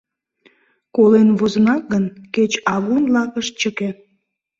Колен возына гын, кеч агун лакыш чыке.